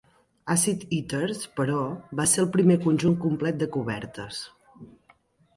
"Acid Eaters", però, va ser el primer conjunt complet de cobertes.